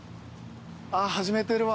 あっ始めてるわ